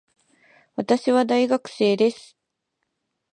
私は大学生です。